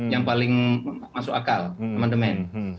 yang paling masuk akal amandemen